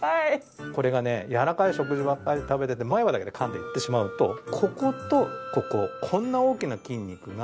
これがね軟らかい食事ばっかり食べてて前歯だけで噛んでいってしまうとこことこここんな大きな筋肉がしっかり動かなくなる。